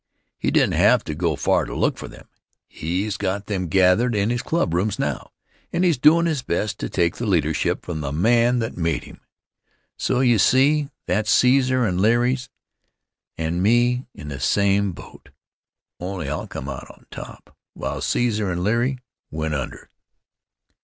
He didn't have to go far to look for them. He's got them gathered in his clubrooms now, and he's doin' his best to take the leadership from the man that made him. So you see that Caesar and Leary and me's in the same boat, only I'll come out on top while Caesar and Leary went under.